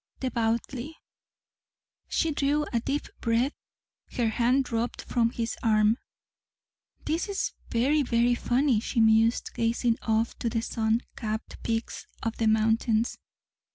"Devoutly." She drew a deep breath. Her hand dropped from his arm. "This is very, very funny," she mused, gazing off to the sun capped peaks of the mountains.